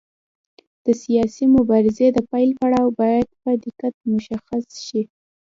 د سیاسي مبارزې د پیل پړاو باید په دقت مشخص شي.